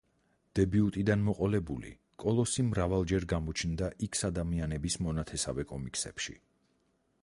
დებიუტიდან მოყოლებული, კოლოსი მრავალჯერ გამოჩნდა იქს-ადამიანების მონათესავე კომიქსებში.